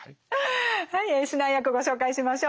はい指南役ご紹介しましょう。